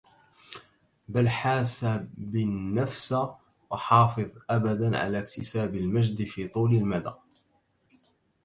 بل حاسبِ النفس وحافظ أبدا على اكتسابِ المجد في طول المدى